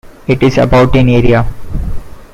It is about in area.